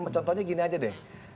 contohnya gini aja deh